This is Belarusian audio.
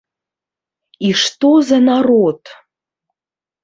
І што за народ!